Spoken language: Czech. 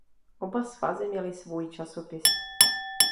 Oba svazy měly svůj časopis.